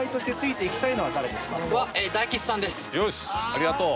よしありがとう。